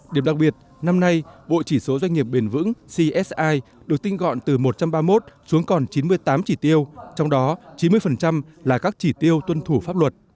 điểm đặc biệt năm nay bộ chỉ số doanh nghiệp bền vững csi được tinh gọn từ một trăm ba mươi một xuống còn chín mươi tám chỉ tiêu trong đó chín mươi là các chỉ tiêu tuân thủ pháp luật